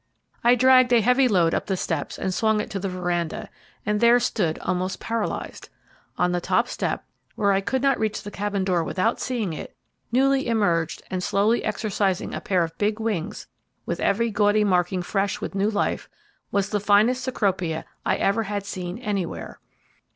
I dragged a heavy load up the steps and swung it to the veranda, and there stood almost paralysed. On the top step, where I could not reach the Cabin door without seeing it, newly emerged, and slowly exercising a pair of big wings, with every gaudy marking fresh with new life, was the finest Cecropia I ever had seen anywhere.